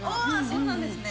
そうなんですね。